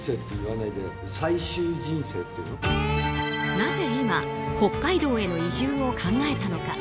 なぜ今北海道への移住を考えたのか。